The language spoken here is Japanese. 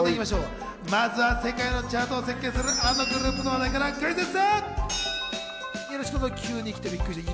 まずは世界のチャートを席巻するあのグループの話題からクイズッス。